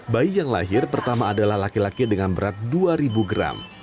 bayi yang lahir pertama adalah laki laki dengan berat dua ribu gram